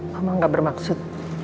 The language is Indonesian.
mama gak bermaksud